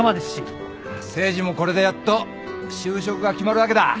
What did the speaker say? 誠治もこれでやっと就職が決まるわけだ。